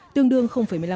tương đương một mươi năm